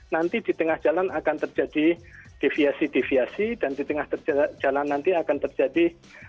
nanti di tengah jalan akan terjadi deviasi deviasi dan di tengah jalan nanti akan terjadi